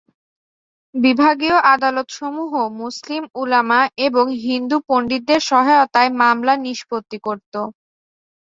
বিভাগীয় আদালতসমূহ মুসলিম উলামা এবং হিন্দু পন্ডিতদের সহায়তায় মামলা নিষ্পত্তি করত।